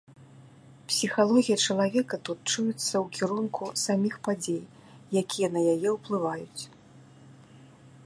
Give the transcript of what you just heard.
Псіхалогія чалавека тут чуецца ў кірунку саміх падзей, якія на яе ўплываюць.